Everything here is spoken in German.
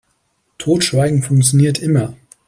Totschweigen funktioniert immer.